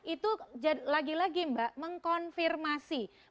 itu lagi lagi mbak mengkonfirmasi